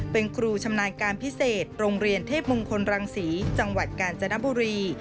เป็นครูชำนาญการพิเศษโรงเรียนเทพมงคลรังศรีจังหวัดกาญจนบุรี